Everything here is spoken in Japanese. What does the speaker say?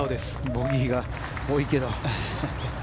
ボギーが多いけど。